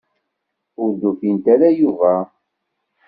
Ur d-ufint ara Yuba.